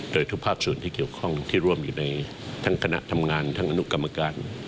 โดยทุกภาคส่วนที่เกี่ยวข้องที่ร่วมอยู่ในทั้งคณะทำงานทั้งอนุกรรมการ